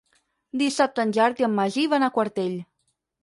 Dissabte en Gerard i en Magí van a Quartell.